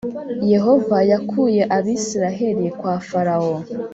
Yehova yakuye abisiraheli kwa farawo